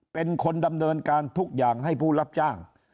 เป็นคนดำเนินการทุกอย่างให้ผู้รับจ้าง